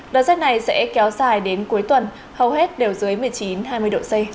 đợt rét này sẽ kéo dài đến cuối tuần hầu hết đều dưới một mươi chín hai mươi độ c